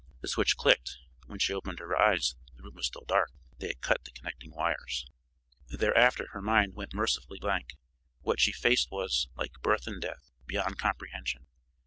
The switch clicked, but when she opened her eyes the room was still dark; they had cut the connecting wires. Thereafter her mind went mercifully blank, for what she faced was, like birth and death, beyond comprehension.